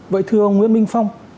vậy thưa ông nguyễn minh phong